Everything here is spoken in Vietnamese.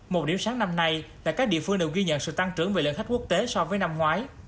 một điểm sáng năm nay là các địa phương đều ghi nhận sự tăng trưởng về lượng khách quốc tế so với năm ngoái